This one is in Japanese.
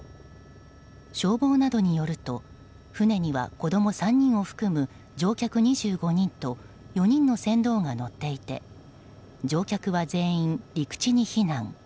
消防などによると、船には子供３人を含む乗客２５人と４人の船頭が乗っていて乗客は全員、陸地に避難。